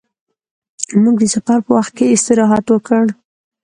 موږ د سفر په وخت کې استراحت وکړ.